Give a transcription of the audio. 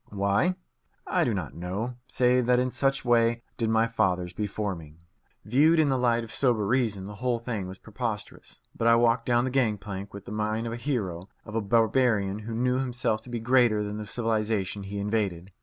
Why? I do not know, save that in such way did my fathers before me. Viewed in the light of sober reason, the whole thing was preposterous. But I walked down the gang plank with the mien of a hero, of a barbarian who knew himself to be greater than the civilization he invaded.